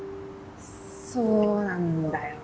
そうなんだよな。